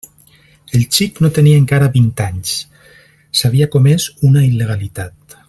El xic no tenia encara vint anys; s'havia comès una il·legalitat.